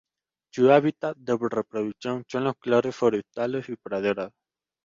Su hábitat de reproducción son los claros forestales y praderas.